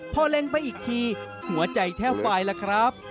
พอเล็งไปอีกทีหัวใจแทบวายล่ะครับ